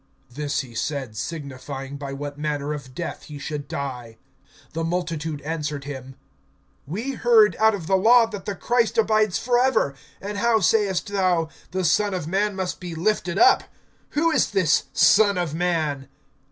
(33)This he said, signifying by what manner of death he should die. (34)The multitude answered him: We heard out of the law that the Christ abides forever; and how sayest thou: The Son of man must be lifted up? Who is this Son of man?